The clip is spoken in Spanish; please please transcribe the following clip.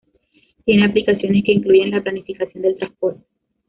Tiene aplicaciones que incluyen la planificación del transporte.